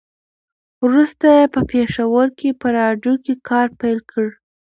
وروسته یې په پېښور کې په راډيو کې کار پیل کړ.